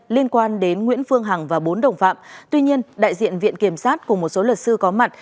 liên quan đến nguyễn phương hằng và bốn đồng phạm